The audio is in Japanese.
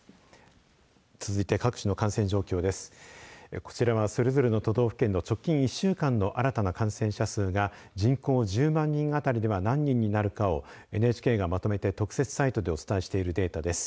こちらはそれぞれの都道府県の直近１週間の新たな感染者数が１０万人あたりでは何人になるかをＮＨＫがまとめて特設サイトでお伝えしているデータです。